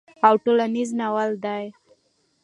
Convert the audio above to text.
او ټولنيز ناول دی